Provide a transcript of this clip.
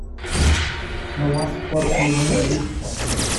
Não há suporte no mundo virtual.